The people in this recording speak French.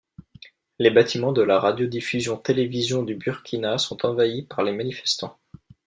Les bâtiments de la Radiodiffusion-Télévision du Burkina sont envahis par les manifestants.